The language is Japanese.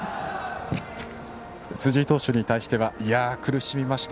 辻井投手に対してはいやあ、苦しみました。